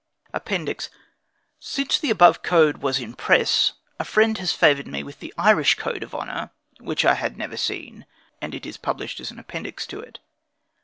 APPENDIX. Since the above Code was in press, a friend has favored me with the IRISH CODE OF HONOR, which I had never seen; and it is published as an Appendix to it.